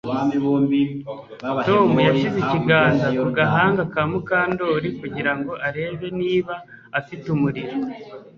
Tom yashyize ikiganza ku gahanga ka Mukandoli kugira ngo arebe niba afite umuriro